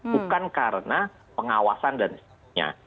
bukan karena pengawasan dan sebagainya